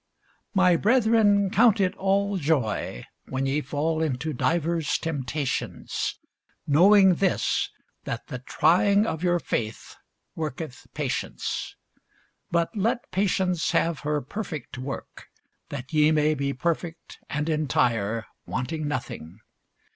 My brethren, count it all joy when ye fall into divers temptations; knowing this, that the trying of your faith worketh patience. But let patience have her perfect work, that ye may be perfect and entire, wanting nothing.